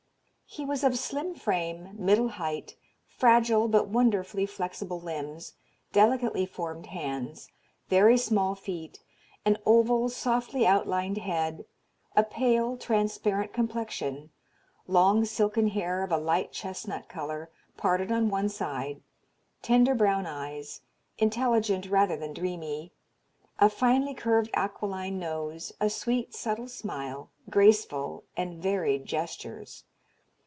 "He was of slim frame, middle height; fragile but wonderfully flexible limbs, delicately formed hands, very small feet, an oval, softly outlined head, a pale transparent complexion, long silken hair of a light chestnut color, parted on one side, tender brown eyes, intelligent rather than dreamy, a finely curved aquiline nose, a sweet subtle smile, graceful and varied gestures."